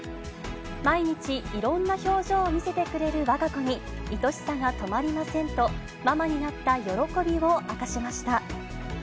毎日、いろんな表情を見せてくれるわが子にいとしさが止まりませんと、ママになった喜びを明かしました。